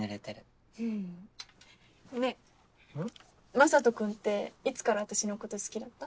雅人君っていつから私のこと好きだった？